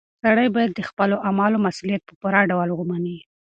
سړی باید د خپلو اعمالو مسؤلیت په پوره ډول ومني.